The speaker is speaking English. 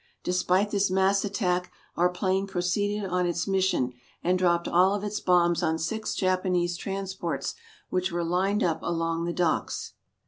Despite this mass attack, our plane proceeded on its mission, and dropped all of its bombs on six Japanese transports which were lined up along the docks.